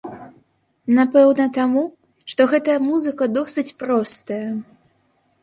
Напэўна, таму, што гэтая музыка досыць простая.